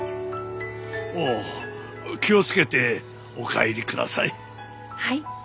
おお気を付けてお帰りください。